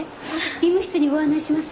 医務室にご案内します。